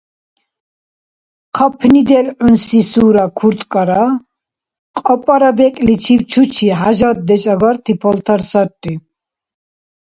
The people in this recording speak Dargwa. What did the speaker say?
ХъапӀни делгӀунси сура курткара кьапӀара бекӀлил чучи хӀяжатдеш агарти палтар сарри.